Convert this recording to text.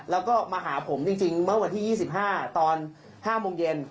แล้วก็มาหาผมจริงเมื่อวันที่๒๕ตอน๕โมงเย็น